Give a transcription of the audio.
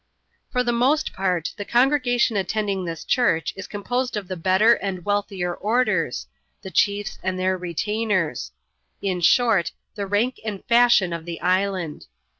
For the most part, the congregation attending this church is composed of the better and wealthier orders — the chiefs and their retainers ; in short, the rank and fashion of the island.